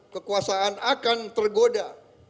kekuasaan akan tergoda